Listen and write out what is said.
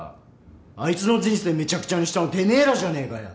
あいつの人生めちゃくちゃにしたのてめえらじゃねえかよ！